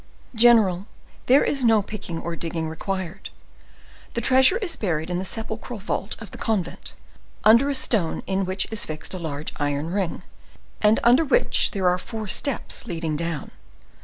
"General, there is no picking or digging required. The treasure is buried in the sepulchral vault of the convent, under a stone in which is fixed a large iron ring, and under which there are four steps leading down.